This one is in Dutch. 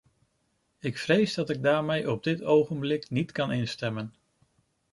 Ik vrees dat ik daarmee op dit ogenblik niet kan instemmen.